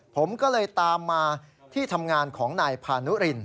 ผมก็เลยตามมาที่ทำงานของนายพานุริน